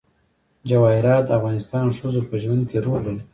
جواهرات د افغان ښځو په ژوند کې رول لري.